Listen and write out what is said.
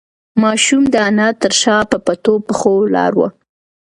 ماشوم د انا تر شا په پټو پښو ولاړ و.